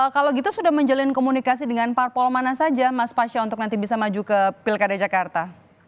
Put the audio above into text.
kalau gitu sudah menjalin komunikasi dengan parpol mana saja mas pasca untuk nanti bisa maju ke pilkada jakarta